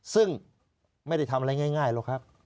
ซึ่งไม่ได้ทำอะไรง่ายหรอกครับ